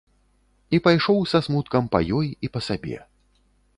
І пайшоў са смуткам па ёй і па сабе.